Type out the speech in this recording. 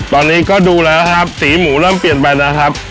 ตอนนี้ก็ดูแล้วครับสีหมูเริ่มเปลี่ยนไปนะครับ